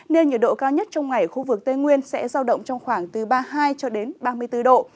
nên nhiệt độ cao nhất trong ngày ở khu vực tây nguyên sẽ giao động trong khoảng từ ba mươi hai ba mươi bốn độ